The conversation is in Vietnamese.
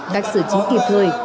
cách xử trí kịp thời